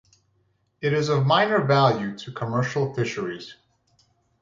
It is of minor value to commercial fisheries.